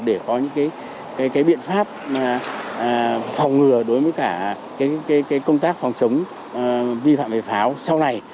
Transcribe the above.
để có những biện pháp phòng ngừa đối với cả công tác phòng chống vi phạm về pháo sau này